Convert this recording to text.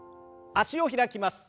脚を開きます。